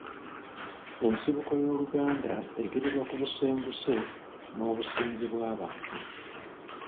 Ensibuko y’Oluganda egererwa ku busenguse n’obusenze bwa Babantu